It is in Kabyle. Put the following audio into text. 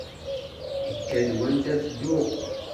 Ikad wanda tedduɣ.